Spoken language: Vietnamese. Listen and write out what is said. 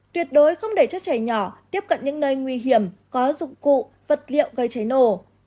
tuyệt đối không để cho trẻ nhỏ tiếp cận những nơi nguy hiểm có dụng cụ vật liệu gây cháy nổ